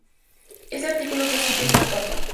Este artículo fue escrito en una papa.